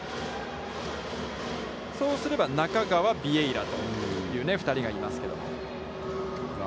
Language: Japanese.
そうすれば、中川、ビエイラ、という２人がいますけども。